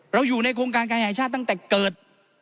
เราอยู่ในโครงการเคยหายชาติตั้งแต่เกิด